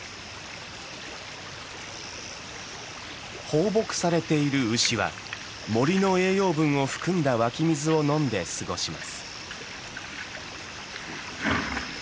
放牧されている牛は森の栄養分を含んだ湧き水を飲んで過ごします。